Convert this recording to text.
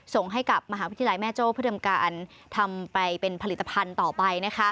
ส่งให้กับมหาวิทยาลัยแม่โจ้เพื่อทำการทำไปเป็นผลิตภัณฑ์ต่อไป